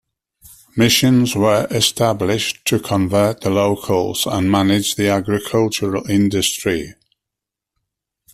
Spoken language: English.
Missions were established to convert the locals, and manage the agricultural industry.